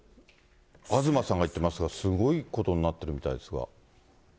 東さんが行ってますが、すごいことになってるみたいですわ。